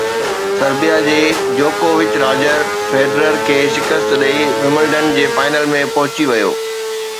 Serbia جي جوڪووچ Roger Federer کي شڪست ڏئي ومبلڊن جي فائنل ۾ پهچي ويو